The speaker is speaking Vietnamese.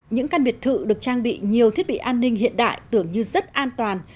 những căn biệt thự được trang bị nhiều thiết bị an ninh hiện đại tưởng như rất an toàn